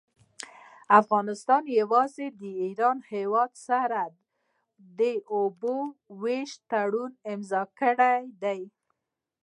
افغانستان يوازي د ايران هيواد سره د اوبو د ويش تړون امضأ کړي دي.